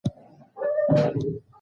دى خپله چاړه په اوبو کې ويني.